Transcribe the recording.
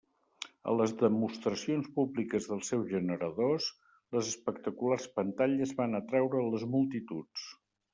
A les demostracions públiques dels seus generadors, les espectaculars pantalles van atraure les multituds.